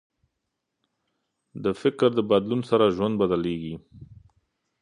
د فکر له بدلون سره ژوند بدل کېږي.